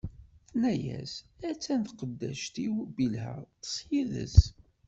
Tenna-as: a-tt-an tqeddact-iw Bilha, ṭṭeṣ yid-s.